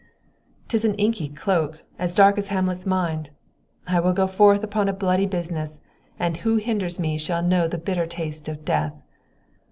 "'Tis an inky cloak, as dark as Hamlet's mind; I will go forth upon a bloody business, and who hinders me shall know the bitter taste of death.